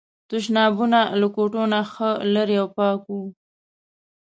تشنابونه له کوټو نه ښه لرې او پاک وو.